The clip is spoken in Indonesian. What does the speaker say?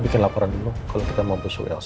bikin laporan dulu kalau kita mau besok ls